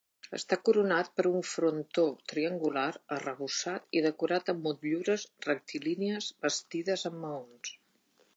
Està coronat per un frontó triangular arrebossat i decorat amb motllures rectilínies bastides amb maons.